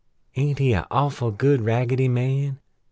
Aint he a' awful good Raggedy Man?